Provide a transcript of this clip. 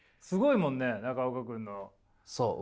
すごいもんね中岡君の。